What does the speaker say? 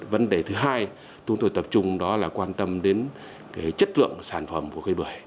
vấn đề thứ hai chúng tôi tập trung đó là quan tâm đến chất lượng sản phẩm của cây bưởi